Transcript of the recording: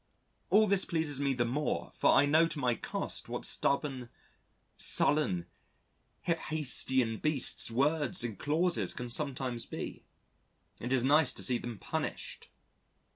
All this pleases me the more for I know to my cost what stubborn, sullen, hephæstian beasts words and clauses can sometimes be. It is nice to see them punished.